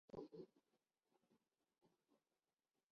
مگر حیف ہے اے انسان تیری خود مختاری